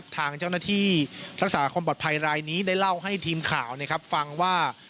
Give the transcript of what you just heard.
ทางเจ้าหน้าที่รักษาความปลอดภัยรายนี้ได้เล่าให้ทีมข่าวนะครับฟังว่า